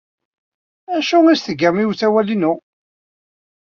D acu ay as-tgam i usawal-inu?